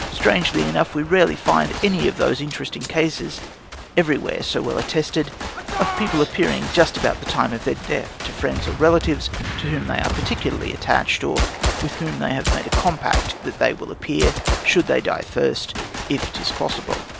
Strangely enough, we rarely find any of those interesting cases, everywhere so well attested, of people appearing just about the time of their death to friends or relatives to whom they are particularly attached, or with whom they have made a compact that they will appear, should they die first, if it is possible.